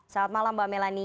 selamat malam mbak melanie